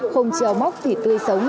không treo móc thịt tươi sống